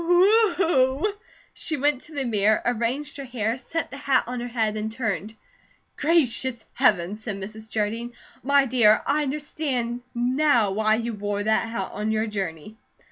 Wheuuuuuu!" She went to the mirror, arranged her hair, set the hat on her head, and turned. "Gracious Heaven!" said Mrs. Jardine. "My dear, I understand NOW why you wore that hat on your journey."